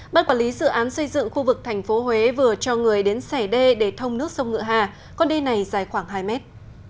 bác quản lý dự án xây dựng khu vực tp huế vừa cho người đến xẻ đê để thông nước sông ngựa hà con đê này dài khoảng hai mét